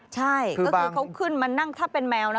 ใช่ก็คือเขาขึ้นมานั่งถ้าเป็นแมวนะ